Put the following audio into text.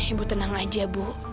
ibu tenang aja bu